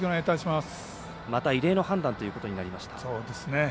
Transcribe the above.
また異例の判断ということになりました。